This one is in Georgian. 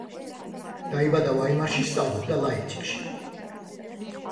დაიბადა ვაიმარში, სწავლობდა ლაიფციგში.